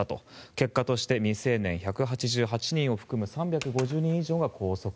結果として未成年１８８人を含む３５０人以上が拘束。